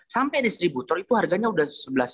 sampai distributor itu harganya sudah sebelas lima ratus